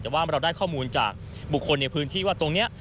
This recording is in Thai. แต่ว่าเราได้ข้อมูลจากบุคคลในพื้นที่ว่าตรงนี้